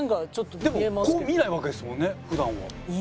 でもこう見ないわけですもんね普段は。